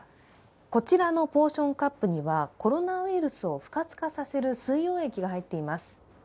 こちらのポーションカップにはコロナウイルスを不活化させる水溶液が入っています。